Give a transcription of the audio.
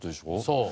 そう。